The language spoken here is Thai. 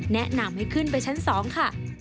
แนะนำให้ขึ้นไปชั้น๒ค่ะ